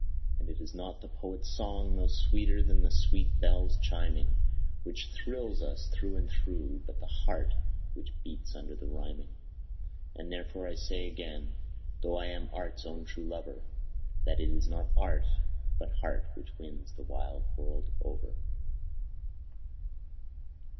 And it is not the poet's song, though sweeter than sweet bells chiming, Which thrills us through and through, but the heart which beats under the rhyming. And therefore I say again, though I am art's own true lover, That it is not art, but heart, which wins the wide world over.